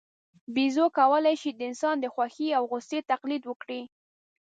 بیزو کولای شي د انسان د خوښۍ او غوسې تقلید وکړي.